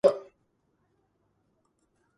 ჩინური შენი, ევროპული პანის ფლეიტა.